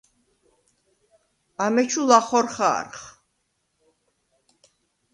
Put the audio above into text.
ამეჩუ ლახორ ხა̄რხ.